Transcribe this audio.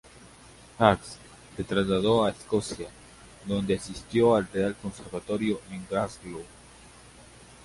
Wax se trasladó a Escocia donde asistió al Real Conservatorio en Glasgow.